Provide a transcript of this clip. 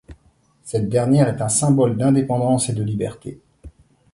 Cette dernière est un symbole d'indépendance et de liberté.